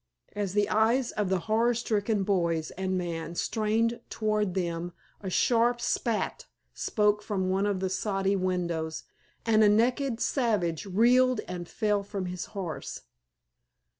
As the eyes of the horror stricken boys and man strained toward them a sharp "spat" spoke from one of the soddy windows, and a naked savage reeled and fell from his horse.